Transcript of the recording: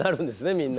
みんな。